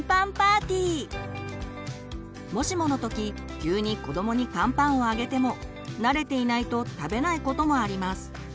もしもの時急に子どもにカンパンをあげても慣れていないと食べないこともあります。